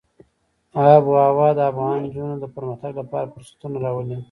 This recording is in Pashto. آب وهوا د افغان نجونو د پرمختګ لپاره فرصتونه راولي.